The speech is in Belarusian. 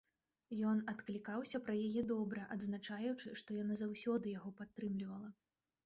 Ён адклікаўся пра яе добра, адзначаючы, што яна заўсёды яго падтрымлівала.